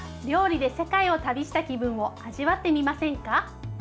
料理で世界を旅した気分を味わってみませんか。